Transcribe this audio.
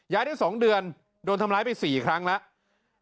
ได้๒เดือนโดนทำร้ายไป๔ครั้งแล้ว